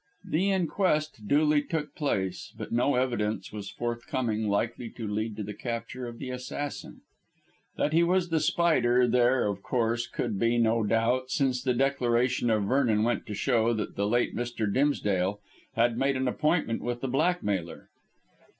The inquest duly took place, but no evidence was forthcoming likely to lead to the capture of the assassin. That he was The Spider there, of course, could be no doubt, since the declaration of Vernon went to show that the late Mr. Dimsdale had made an appointment with the blackmailer.